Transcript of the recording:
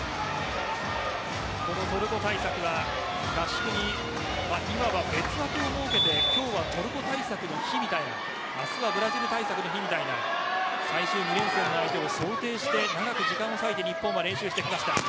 トルコ対策は合宿に今は別枠を設けて今日はトルコ対策の日みたいな明日はブラジル対策の日みたいな対する相手を想定して長く時間を割いて日本が練習してきました。